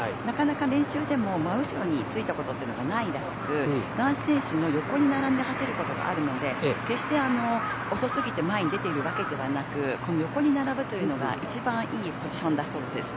なかなか練習でも真後ろについたことっていうのがないらしく男子選手の横に並んで走ることはあるので、決して遅すぎて前に出ているわけではなくこの横に並ぶというのが一番いいポジションだそうです。